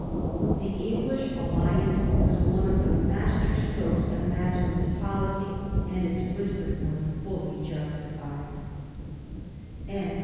The English alliance was one of the master strokes of Mazarines policy, and its wisdom was fully justified.